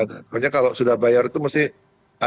pokoknya kalau sudah bayar itu mesti ada rasa keinginan